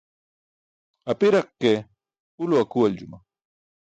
Apiraq ke, ulo akuwaljuma.